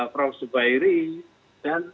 prof zubairi dan